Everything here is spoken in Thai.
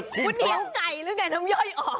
คุณหิวไก่หรือไก่น้ำย่อยออก